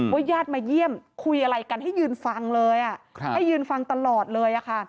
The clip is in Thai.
ญาติมาเยี่ยมคุยอะไรกันให้ยืนฟังเลยให้ยืนฟังตลอดเลยค่ะ